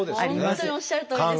本当におっしゃるとおりですね。